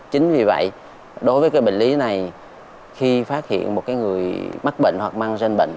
chính vì vậy đối với cái bệnh lý này khi phát hiện một người mắc bệnh hoặc mang ran bệnh